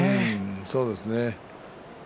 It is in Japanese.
そうですね。